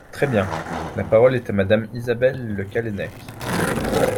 Très bien ! La parole est à Madame Isabelle Le Callennec.